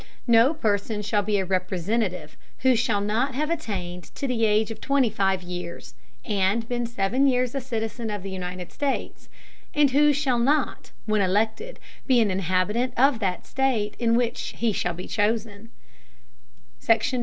No Person shall be a Representative who shall not have attained to the Age of twenty five Years, and been seven Years a Citizen of the United States, and who shall not, when elected, be an Inhabitant of that State in which he shall be chosen.